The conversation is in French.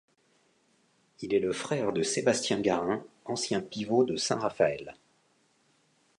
Il est le frère de Sébastien Garain, ancien pivot de Saint-Raphaël.